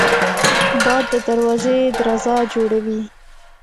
باد د دروازې درزا جوړوي